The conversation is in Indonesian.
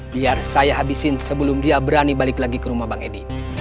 biar saya habisin sebelum dia berani balik lagi ke rumah bang edi